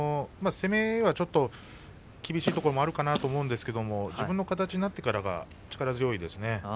攻めがちょっと厳しいところもあるかなと思うんですけど自分の形になってからは力強いですね。